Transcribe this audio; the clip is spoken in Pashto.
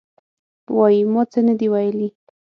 وایي: ما څه نه دي ویلي.